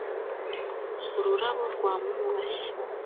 Ururabo rwamwubashye